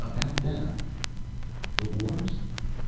"About them?" "The wars?